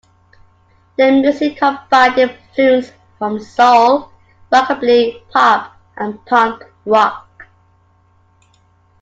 Their music combined influences from soul, rockabilly, pop and punk rock.